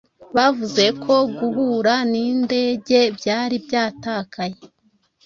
Bavuze ko guhura nindege byari byatakaye.